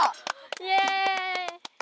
イエイ！